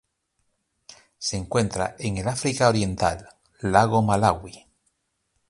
Se encuentra en el África Oriental: lago Malawi.